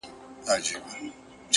سردونو ویښ نه کړای سو،